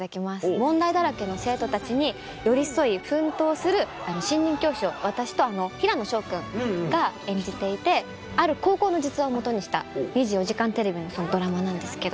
問題だらけの生徒たちに寄り添い奮闘する新任教師を私と平野紫耀君が演じていてある高校の実話をもとにした『２４時間テレビ』のドラマなんですけど。